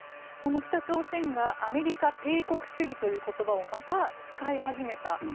その北朝鮮がアメリカ帝国主義という言葉をまた使い始めた。